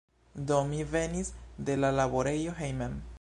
Do mi venis de la laborejo hejmen.